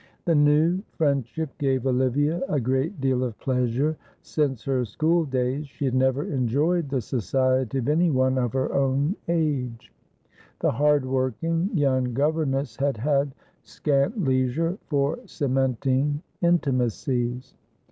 The new friendship gave Olivia a great deal of pleasure. Since her school days she had never enjoyed the society of anyone of her own age. The hard working young governess had had scant leisure for cementing intimacies.